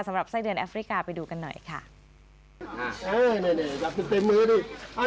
สำหรับไส้เดือนแอฟริกาไปดูกันหน่อยค่ะเอ้านี่นี่จับถึงเต็มมือดิ